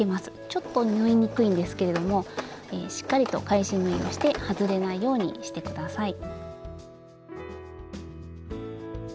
ちょっと縫いにくいんですけれどもしっかりと返し縫いをして外れないようにして下さい。